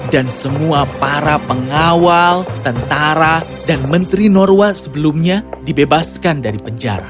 dan semua para pengawal tentara dan menteri norwa sebelumnya dibebaskan dari penjara